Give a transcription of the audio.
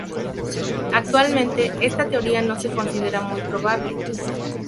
Actualmente, esta teoría no se considera muy probable.